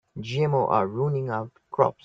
GMO are ruining our crops.